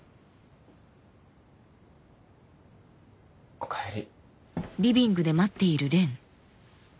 おかえり。